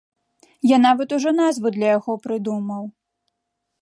Я нават ужо назву для яго прыдумаў!